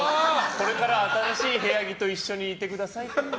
これからは新しい部屋着と一緒にいてください。